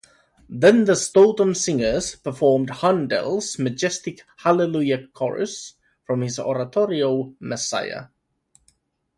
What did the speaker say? Then the Stoughton singers performed Handel's majestic Hallelujah Chorus from his oratorio, Messiah.